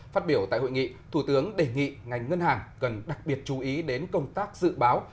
phát biểu tại hội nghị thủ tướng đề nghị ngành ngân hàng cần đặc biệt chú ý đến công tác dự báo